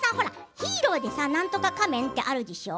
ヒーローでなんとか仮面ってあるでしょう。